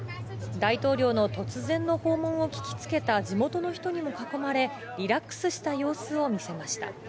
大統領の突然の訪問を聞きつけた地元の人にも囲まれ、リラックスした様子を見せました。